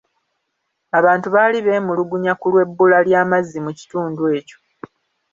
Abantu baali beemulugunya ku lw'ebbula ly'amazzi mu kitundu ekyo.